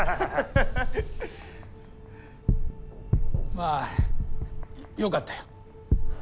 まあよかったよ。